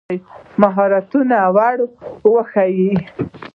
مهارتونه ور وښایي.